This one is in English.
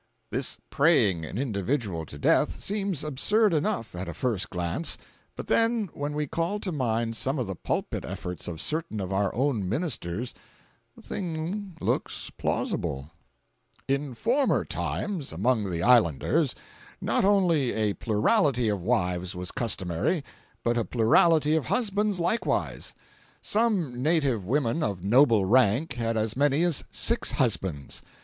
This praying an individual to death seems absurd enough at a first glance, but then when we call to mind some of the pulpit efforts of certain of our own ministers the thing looks plausible. 482.jpg (33K) In former times, among the Islanders, not only a plurality of wives was customary, but a plurality of husbands likewise. Some native women of noble rank had as many as six husbands.